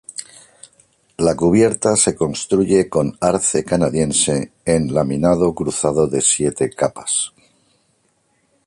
La cubierta se construye con arce canadiense en laminado cruzado de siete capas.